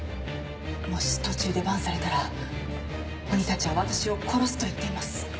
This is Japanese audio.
もし途中でバンされたら鬼たちは私を殺すと言っています。